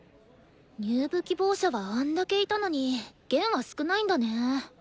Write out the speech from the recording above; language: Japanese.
入部希望者はあんだけいたのに弦は少ないんだね。